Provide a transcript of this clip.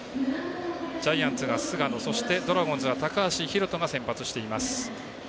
ジャイアンツが菅野そして、ドラゴンズは高橋宏斗が先発しています。